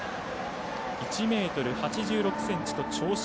１ｍ８６ｃｍと長身。